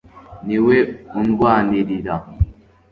ni we undwanirira